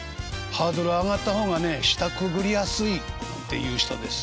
ハードル上がった方がね下くぐりやすいっていう人です。